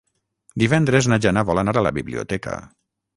Divendres na Jana vol anar a la biblioteca.